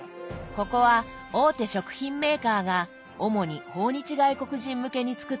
ここは大手食品メーカーが主に訪日外国人向けに作ったお店です。